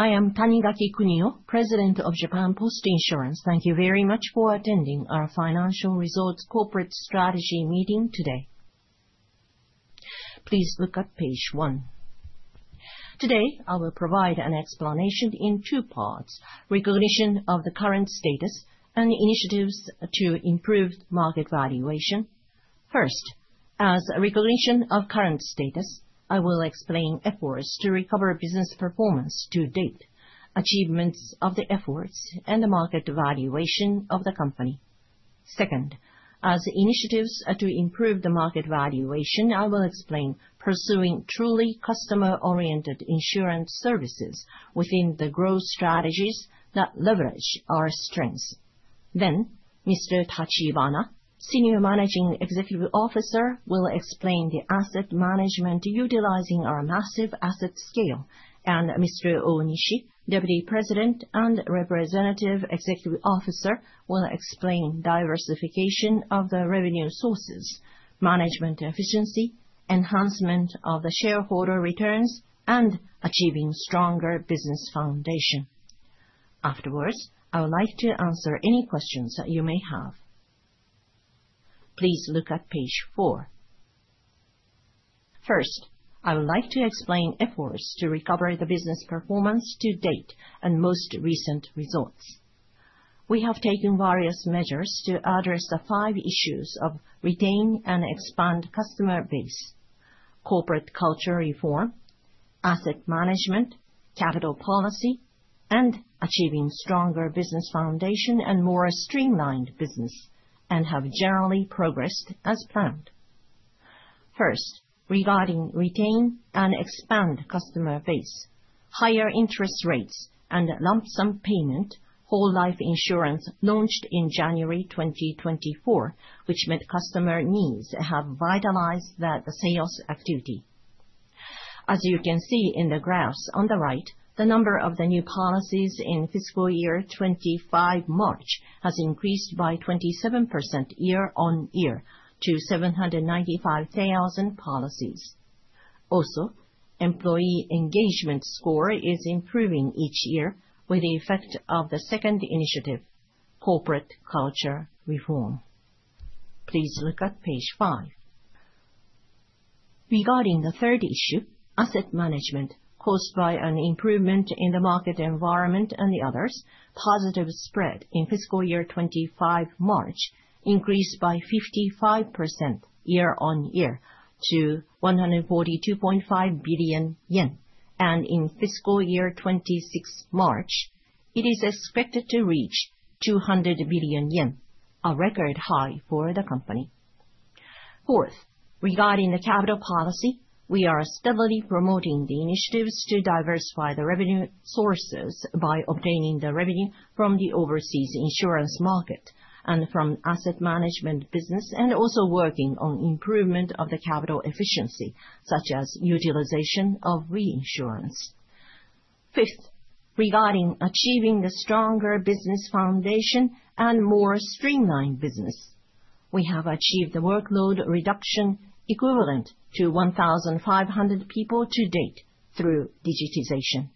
I am Tanigaki Kunio, President of Japan Post Insurance. Thank you very much for attending our Financial Results Corporate Strategy meeting today. Please look at page 1. Today, I will provide an explanation in two parts: recognition of the current status and initiatives to improve market valuation. First, as recognition of current status, I will explain efforts to recover business performance to date, achievements of the efforts, and the market valuation of the company. Second, as initiatives to improve the market valuation, I will explain pursuing truly customer-oriented insurance services within the growth strategies that leverage our strengths. Then, Mr. Tachibana, Senior Managing Executive Officer, will explain the asset management utilizing our massive asset scale, and Mr. Onishi, Deputy President and Representative Executive Officer, will explain diversification of the revenue sources, management efficiency, enhancement of the shareholder returns, and achieving a stronger business foundation. Afterwards, I would like to answer any questions that you may have. Please look at page 4. First, I would like to explain efforts to recover the business performance to date and most recent results. We have taken various measures to address the five issues of retaining and expanding the customer base: corporate culture reform, asset management, capital policy, and achieving a stronger business foundation and more streamlined business, and have generally progressed as planned. First, regarding retaining and expanding the customer base, higher interest rates, and lump sum payment, Whole Life Insurance launched in January 2024, which met customer needs, have vitalized the sales activity. As you can see in the graphs on the right, the number of the new policies in fiscal year 2025 March has increased by 27% year-on-year to 795,000 policies. Also, employee engagement score is improving each year with the effect of the second initiative, corporate culture reform. Please look at page 5. Regarding the third issue, asset management caused by an improvement in the market environment and the others, positive spread in fiscal year 2025 March increased by 55% year-on-year to 142.5 billion yen, and in fiscal year 2026 March, it is expected to reach 200 billion yen, a record high for the company. Fourth, regarding the capital policy, we are steadily promoting the initiatives to diversify the revenue sources by obtaining the revenue from the overseas insurance market and from asset management business, and also working on improvement of the capital efficiency, such as utilization of reinsurance. Fifth, regarding achieving the stronger business foundation and more streamlined business, we have achieved the workload reduction equivalent to 1,500 people to date through digitization.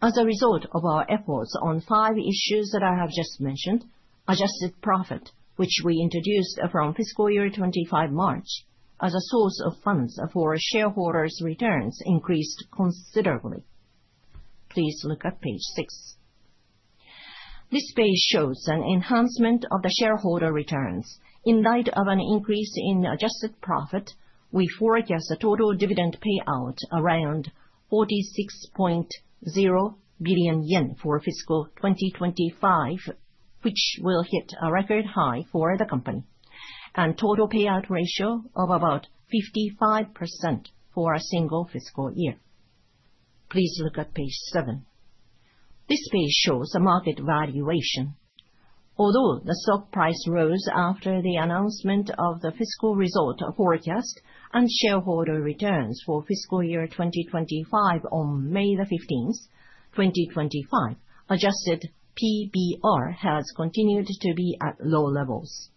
As a result of our efforts on five issues that I have just mentioned, adjusted profit, which we introduced from fiscal year 2025 March, as a source of funds for shareholders' returns increased considerably. Please look at page six. This page shows an enhancement of the shareholder returns. In light of an increase in adjusted profit, we forecast a total dividend payout around 46.0 billion yen for fiscal 2025, which will hit a record high for the company, and a total payout ratio of about 55% for a single fiscal year. Please look at page seven. This page shows the market valuation. Although the stock price rose after the announcement of the fiscal result forecast and shareholder returns for fiscal year 2025 on May 15, 2025, adjusted PBR has continued to be at low levels.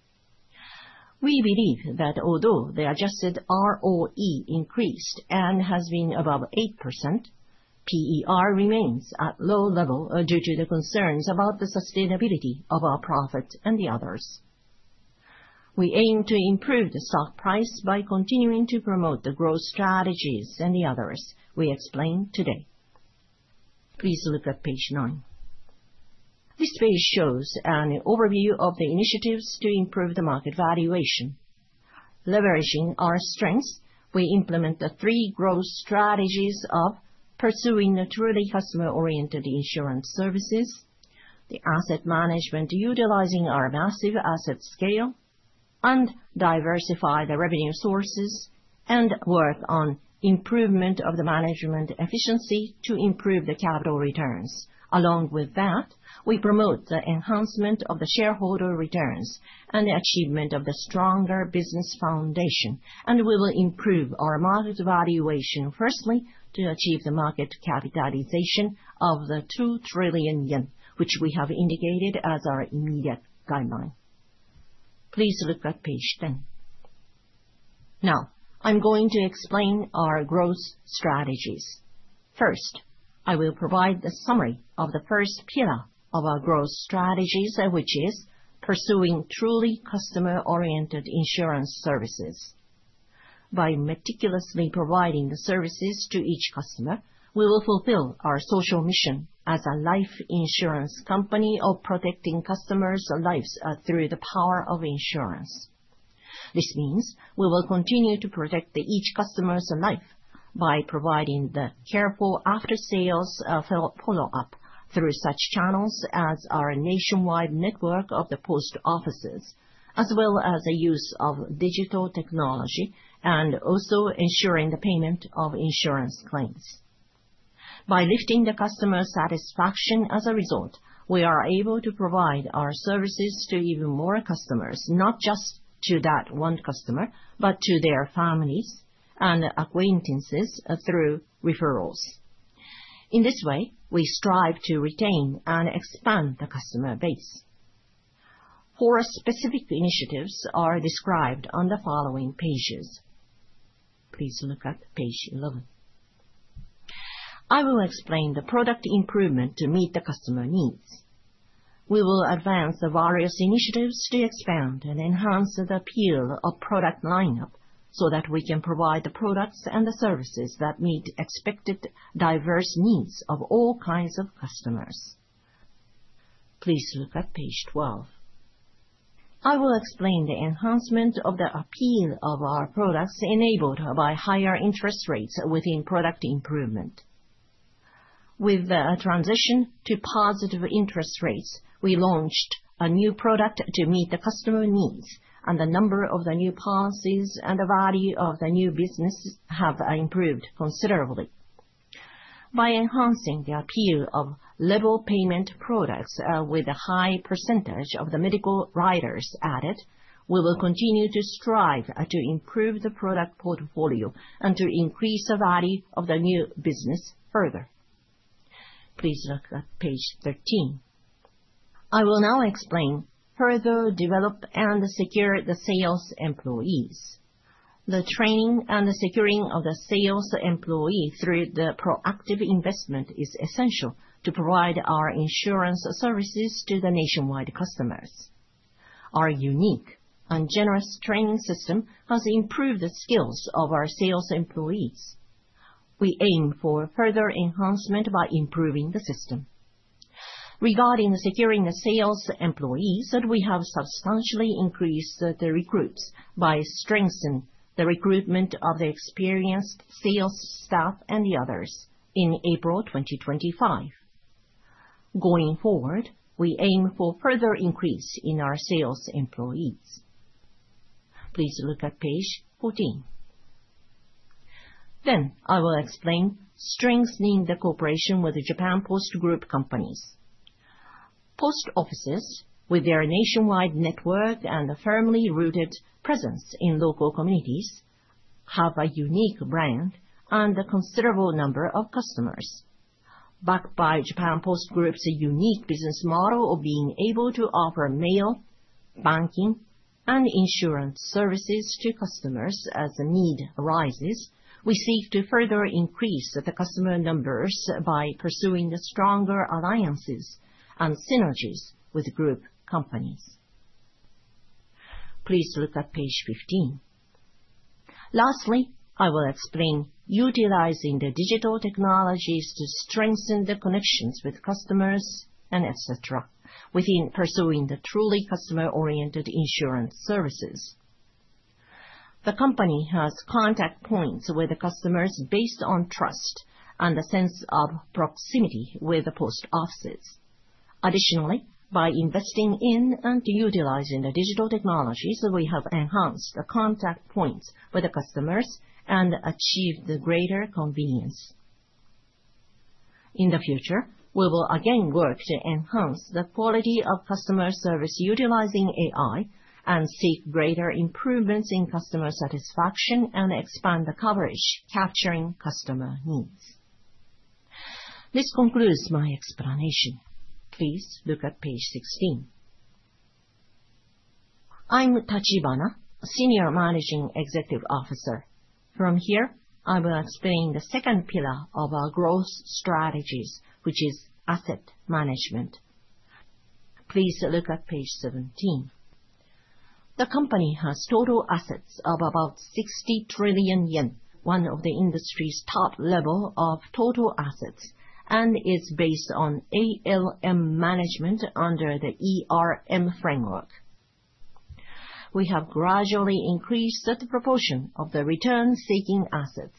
We believe that although the Adjusted ROE increased and has been above 8%, PER remains at low level due to the concerns about the sustainability of our profits and the others. We aim to improve the stock price by continuing to promote the growth strategies and the others we explained today. Please look at page nine. This page shows an overview of the initiatives to improve the market valuation. Leveraging our strengths, we implement the three growth strategies of pursuing truly customer-oriented insurance services, the asset management utilizing our m inassive asset scale, and diversify the revenue sources, and work on improvement of the management efficiency to improve the capital returns. Along with that, we promote the enhancement of the shareholder returns and the achievement of the stronger business foundation, and we will improve our market valuation firstly to achieve the market capitalization of 2 trillion yen, which we have indicated as our immediate guideline. Please look at page 10. Now, I'm going to explain our growth strategies. First, I will provide the summary of the first pillar of our growth strategies, which is pursuing truly customer-oriented insurance services. By meticulously providing the services to each customer, we will fulfill our social mission as a life insurance company of protecting customers' lives through the power of insurance. This means we will continue to protect each customer's life by providing the careful after-sales follow-up through such channels as our nationwide network of the post offices, as well as the use of digital technology and also ensuring the payment of insurance claims. By lifting the customer satisfaction as a result, we are able to provide our services to even more customers, not just to that one customer, but to their families and acquaintances through referrals. In this way, we strive to retain and expand the customer base. Four specific initiatives are described on the following pages. Please look at page 11. I will explain the product improvement to meet the customer needs. We will advance the various initiatives to expand and enhance the appeal of product lineup so that we can provide the products and the services that meet expected diverse needs of all kinds of customers. Please look at page 12. I will explain the enhancement of the appeal of our products enabled by higher interest rates within product improvement. With the transition to positive interest rates, we launched a new product to meet the customer needs, and the number of the new policies and the value of new business have improved considerably. By enhancing the appeal of level payment products with a high percentage of the medical riders added, we will continue to strive to improve the product portfolio and to increase the value of new business further. Please look at page 13. I will now explain further develop and secure the sales employees. The training and securing of the sales employee through the proactive investment is essential to provide our insurance services to the nationwide customers. Our unique and generous training system has improved the skills of our sales employees. We aim for further enhancement by improving the system. Regarding securing the sales employees, we have substantially increased the recruits by strengthening the recruitment of the experienced sales staff and the others in April 2025. Going forward, we aim for further increase in our sales employees. Please look at page 14. Then, I will explain strengthening the cooperation with the Japan Post Group companies. Post Offices, with their nationwide network and firmly rooted presence in local communities, have a unique brand and a considerable number of customers. Backed by Japan Post Group's unique business model of being able to offer mail, banking, and insurance services to customers as the need arises, we seek to further increase the customer numbers by pursuing stronger alliances and synergies with group companies. Please look at page 15. Lastly, I will explain utilizing the digital technologies to strengthen the connections with customers, etc., within pursuing the truly customer-oriented insurance services. The company has contact points with the customers based on trust and a sense of proximity with the post offices. Additionally, by investing in and utilizing the digital technologies, we have enhanced the contact points with the customers and achieved greater convenience. In the future, we will again work to enhance the quality of customer service utilizing AI and seek greater improvements in customer satisfaction and expand the coverage capturing customer needs. This concludes my explanation. Please look at page 16. I'm Tachibana, Senior Managing Executive Officer. From here, I will explain the second pillar of our growth strategies, which is asset management. Please look at page 17. The company has total assets of about 60 trillion yen, one of the industry's top level of total assets, and is based on ALM management under the framework. We have gradually increased the proportion of the return-seeking assets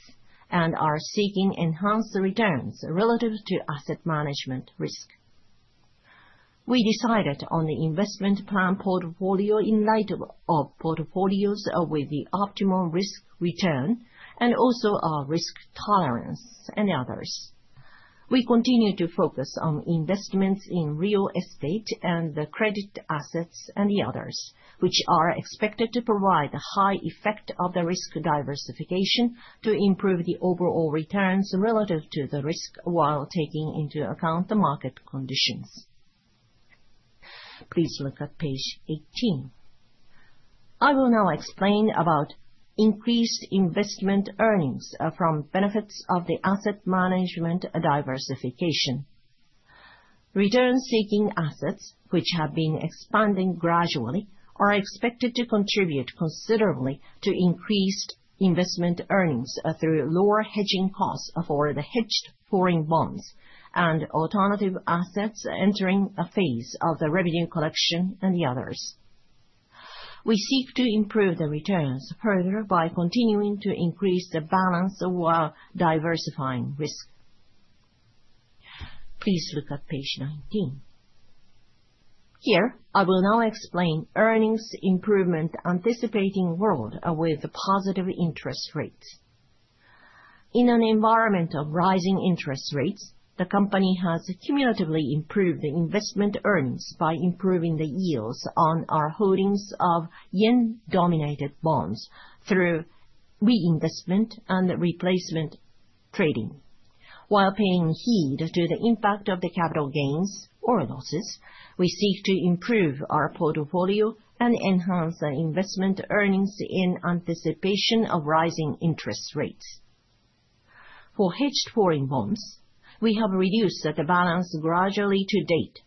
and are seeking enhanced returns relative to asset management risk. We decided on the investment plan portfolio in light of portfolios with the optimal risk return and also our risk tolerance and others. We continue to focus on investments in real estate and the credit assets and the others, which are expected to provide the high effect of the risk diversification to improve the overall returns relative to the risk while taking into account the market conditions. Please look at page 18. I will now explain about increased investment earnings from benefits of the asset management diversification. Return-seeking assets, which have been expanding gradually, are expected to contribute considerably to increased investment earnings through lower hedging costs for the hedged foreign bonds and alternative assets entering a phase of the revenue collection and the others. We seek to improve the returns further by continuing to increase the balance while diversifying risk. Please look at page 19. Here, I will now explain earnings improvement anticipating growth with positive interest rates. In an environment of rising interest rates, the company has cumulatively improved the investment earnings by improving the yields on our holdings of Yen-denominated bonds through reinvestment and replacement trading. While paying heed to the impact of the capital gains or losses, we seek to improve our portfolio and enhance the investment earnings in anticipation of rising interest rates. For hedged foreign bonds, we have reduced the balance gradually to date,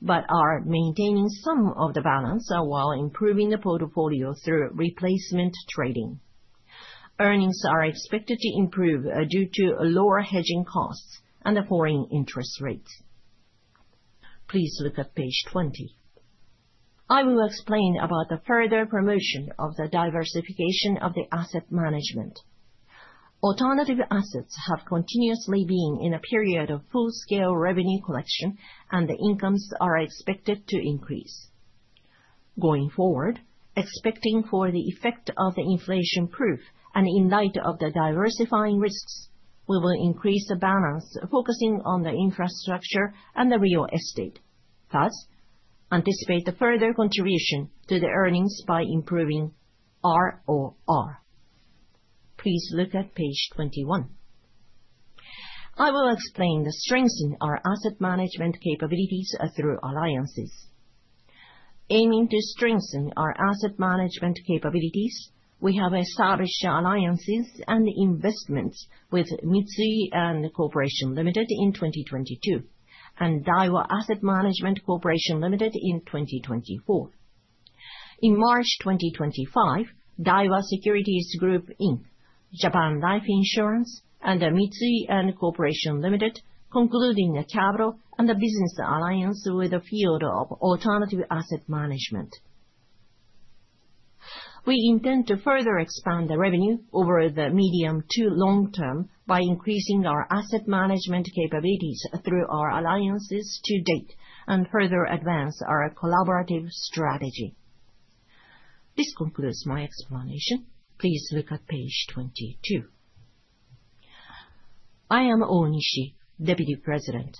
but are maintaining some of the balance while improving the portfolio through replacement trading. Earnings are expected to improve due to lower hedging costs and the foreign interest rate. Please look at page 20. I will explain about the further promotion of the diversification of the asset management. Alternative assets have continuously been in a period of full-scale revenue collection, and the incomes are expected to increase. Going forward, expecting for the effect of the inflation proof and in light of the diversifying risks, we will increase the balance focusing on the infrastructure and the real estate. Thus, anticipate the further contribution to the earnings by improving ROR. Please look at page 21. I will explain the strengthening of our asset management capabilities through alliances. Aiming to strengthen our asset management capabilities, we have established alliances and investments with Mitsui & Co, Ltd in 2022 and Daiwa Asset Management Co, Ltd in 2024. In March 2025, Daiwa Securities Group Inc, Japan Post Insurance, and Mitsui & Co, Ltd concluding a capital and a business alliance with the field of alternative asset management. We intend to further expand the revenue over the medium to long term by increasing our asset management capabilities through our alliances to date and further advance our collaborative strategy. This concludes my explanation. Please look at page 22. I am Onishi, Deputy President.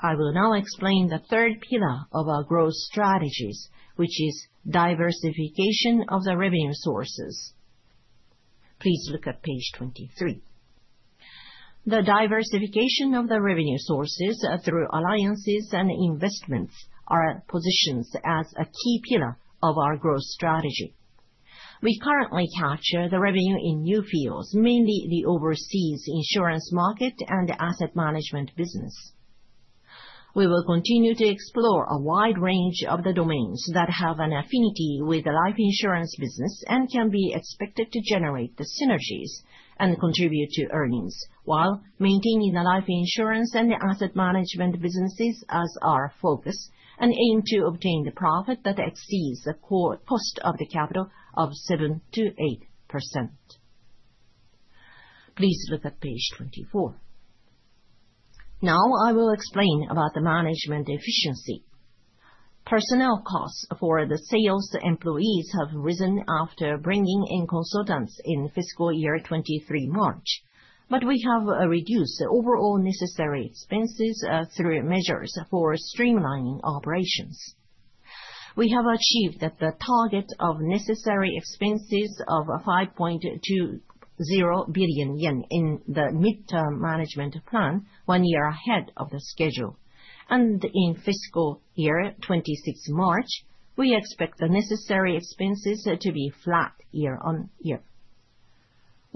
I will now explain the third pillar of our growth strategies, which is diversification of the revenue sources. Please look at page 23. The diversification of the revenue sources through alliances and investments are positioned as a key pillar of our growth strategy. We currently capture the revenue in new fields, mainly the overseas insurance market and the asset management business. We will continue to explore a wide range of the domains that have an affinity with the life insurance business and can be expected to generate the synergies and contribute to earnings, while maintaining the life insurance and the asset management businesses as our focus and aim to obtain the profit that exceeds the cost of the capital of 7%-8%. Please look at page 24. Now, I will explain about the management efficiency. Personnel costs for the sales employees have risen after bringing in consultants in fiscal year 2023 March, but we have reduced the overall necessary expenses through measures for streamlining operations. We have achieved the target of necessary expenses of 5.20 billion yen in the midterm management plan one year ahead of the schedule, and in fiscal year 2026 March, we expect the necessary expenses to be flat year-on-year.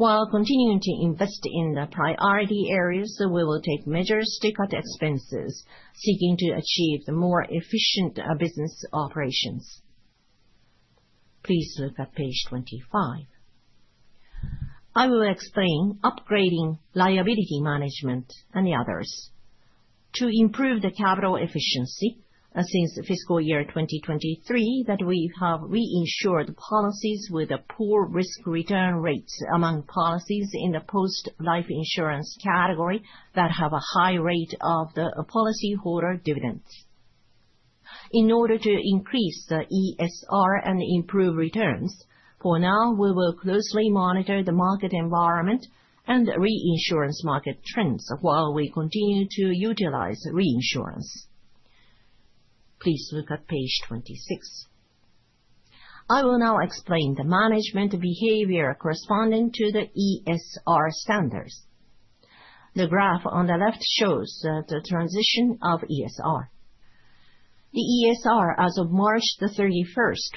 While continuing to invest in the priority areas, we will take measures to cut expenses, seeking to achieve more efficient business operations. Please look at page 25. I will explain upgrading liability management and the others. To improve the capital efficiency, since fiscal year 2023, we have reinsured policies with poor risk return rates among policies in the whole life insurance category that have a high rate of the policyholder dividends. In order to increase the ESR and improve returns, for now, we will closely monitor the market environment and reinsurance market trends while we continue to utilize reinsurance. Please look at page 26. I will now explain the management behavior corresponding to the ESR standards. The graph on the left shows the transition of ESR. The ESR as of March 31,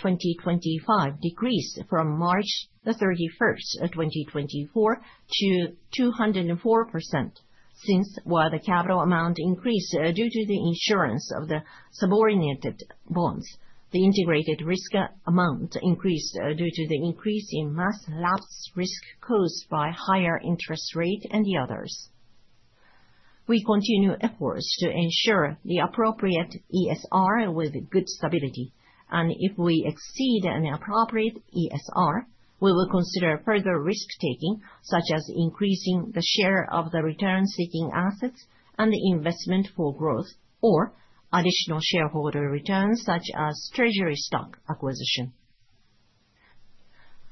2025, decreased from March 31, 2024, to 204%, while the capital amount increased due to the issuance of the subordinated bonds. The integrated risk amount increased due to the increase in mass lapse risk caused by higher interest rate and the others. We continue efforts to ensure the appropriate ESR with good stability, and if we exceed an appropriate ESR, we will consider further risk-taking, such as increasing the share of the return-seeking assets and the investment for growth, or additional shareholder returns, such as treasury stock acquisition.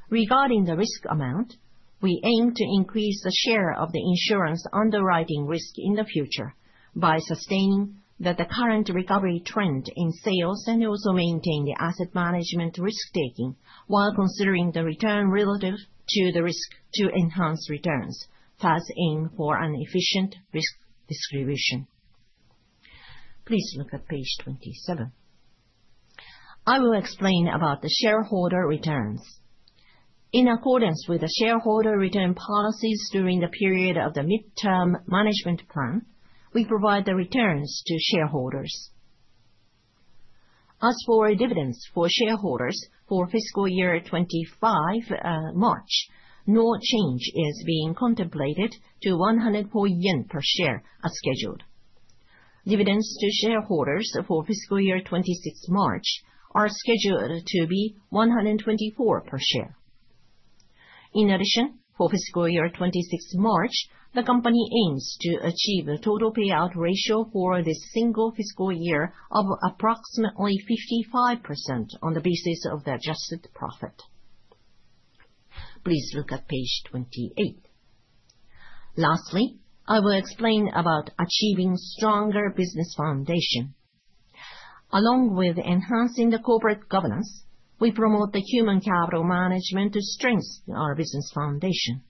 Regarding the risk amount, we aim to increase the share of the insurance underwriting risk in the future by sustaining the current recovery trend in sales and also maintain the asset management risk-taking while considering the return relative to the risk to enhance returns. Thus, aim for an efficient risk distribution. Please look at page 27. I will explain about the shareholder returns. In accordance with the shareholder return policies during the period of the midterm management plan, we provide the returns to shareholders. As for dividends for shareholders for fiscal year 2025 March, no change is being contemplated to 104 yen per share as scheduled. Dividends to shareholders for fiscal year 2026 March are scheduled to be 124 per share. In addition, for fiscal year 2026 March, the company aims to achieve a total payout ratio for this single fiscal year of approximately 55% on the basis of the adjusted profit. Please look at page 28. Lastly, I will explain about achieving stronger business foundation. Along with enhancing the corporate governance, we promote the human capital management to strengthen our business foundation.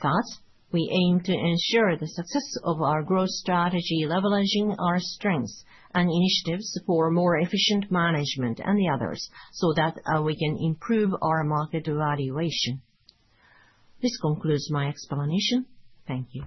Thus, we aim to ensure the success of our growth strategy, leveraging our strengths and initiatives for more efficient management and the others so that we can improve our market valuation. This concludes my explanation. Thank you.